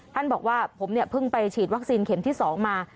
ท่านบอกว่าผมเนี่ยเพิ่งไปฉีดวัคซีนเข็มที่๒มา